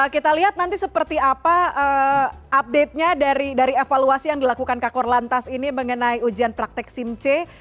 kita lihat nanti seperti apa update nya dari evaluasi yang dilakukan kakor lantas ini mengenai ujian praktek simc